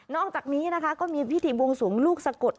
อกจากนี้นะคะก็มีพิธีบวงสวงลูกสะกด